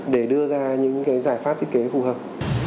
để đưa ra những cái giải pháp thiết kế khu hợp